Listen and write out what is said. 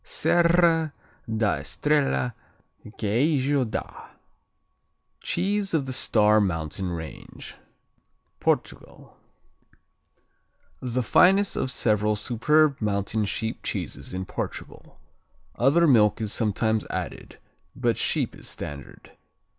Serra da Estrella, Queijo da (Cheese of the Star Mountain Range) Portugal The finest of several superb mountain sheep cheeses in Portugal. Other milk is sometimes added, but sheep is standard.